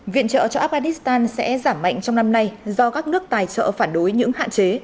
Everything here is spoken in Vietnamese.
viện trợ cho afghanistan sẽ giảm mạnh trong năm nay do các nước tài trợ phản đối những hạn chế